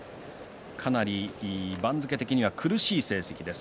かなり番付的には苦しい成績です。